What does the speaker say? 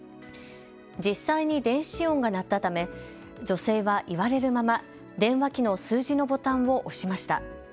実際に電子音が鳴ったため女性は言われるまま、電話機の数字のボタンを押しました。